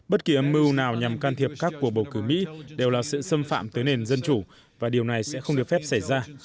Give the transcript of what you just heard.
bất kỳ âm mưu nào nhằm can thiệp các cuộc bầu cử mỹ đều là sự xâm phạm tới nền dân chủ và điều này sẽ không được phép xảy ra